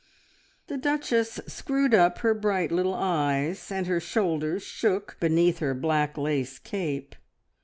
The Duchess screwed up her bright little eyes, and her shoulders shook beneath her black lace cape.